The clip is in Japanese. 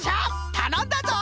たのんだぞ！